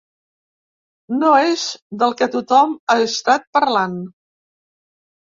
No és del que tothom ha estat parlant!